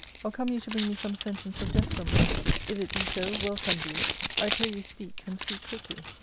Or come you to bring me some sentence of death from him ? If it be so, welcome be it I pray you speak, and speak quickly."